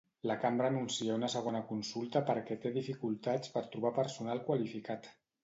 La Cambra anuncia una segona consulta perquè té dificultats per trobar personal qualificat.